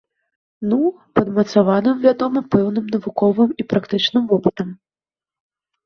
Ну, падмацаваным, вядома, пэўным навуковым і практычным вопытам.